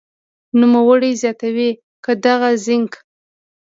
نوموړې زیاتوي که دغه زېنک